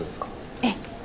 ええ。